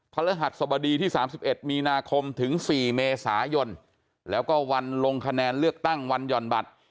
รหัสสบดีที่๓๑มีนาคมถึง๔เมษายนแล้วก็วันลงคะแนนเลือกตั้งวันหย่อนบัตร